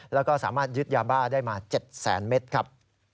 แล้วก็สามารถยึดยาบ้าได้มา๗แสนเมตรครับ